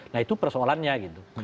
nah itu persoalannya gitu